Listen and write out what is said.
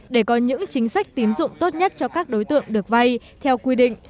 để có những chính sách tín dụng tốt nhất cho các đối tượng được vay theo quy định